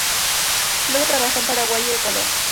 Luego trabajó en Paraguay y Ecuador.